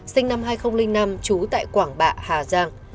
sinh năm hai nghìn năm trú tại quảng bạ hà giang